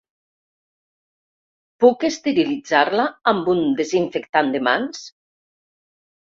Puc esterilitzar-la amb un desinfectant de mans?